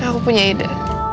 aku punya ide